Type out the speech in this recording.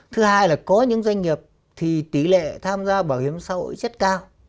thứ hai là có những doanh nghiệp thì tỷ lệ tham gia bảo hiểm xã hội rất cao